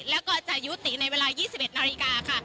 แล้วก็จะยุติในเวลา๒๑นาฬิกาค่ะ